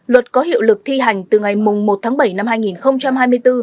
luật có hiệu lực thi hành từ ngày một tháng bảy năm hai nghìn hai mươi bốn